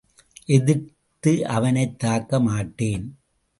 எதிர்த்து அவனைத்தாக்க மாட்டேன்.